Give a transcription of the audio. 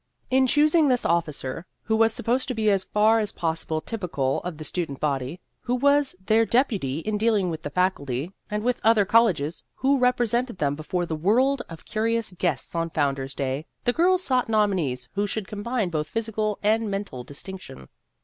In choosing this officer, who was supposed to be as far as possible typical of the student body who was their deputy in dealing with the Faculty and with other colleges who represented them before the world of curious guests on Founder's Day, the girls sought nominees who should combine both physical and mental distinction.